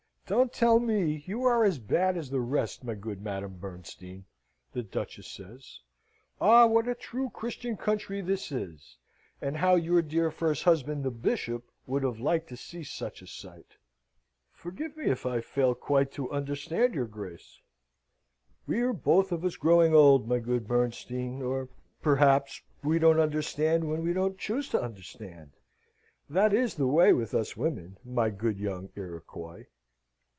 Don't tell me! You are as bad as the rest, my good Madame Bernstein!" the Duchess says. "Ah, what a true Christian country this is! and how your dear first husband, the Bishop, would have liked to see such a sight!" "Forgive me, if I fail quite to understand your Grace." "We are both of us growing old, my good Bernstein, or, perhaps, we won't understand when we don't choose to understand. That is the way with us women, my good young Iroquois."